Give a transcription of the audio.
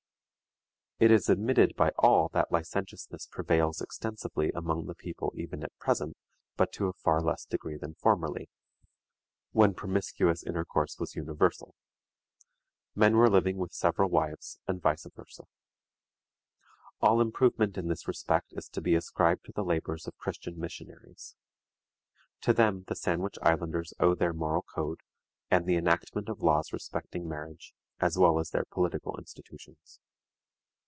It is admitted by all that licentiousness prevails extensively among the people even at present, but to a far less degree than formerly, when promiscuous intercourse was universal. Men were living with several wives, and vice versa. All improvement in this respect is to be ascribed to the labors of Christian missionaries. To them the Sandwich Islanders owe their moral code, and the enactment of laws respecting marriage, as well as their political institutions.